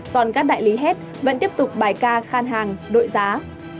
còn các đại lý hết vẫn tiếp tục bài ca khan hàng đội giá